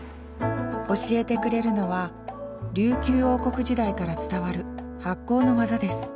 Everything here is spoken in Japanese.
教えてくれるのは琉球王国時代から伝わる発酵の技です。